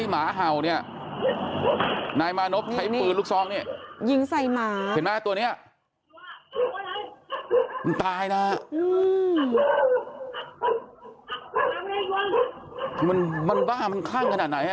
มันบ้ามันคลั่งขนาดไหน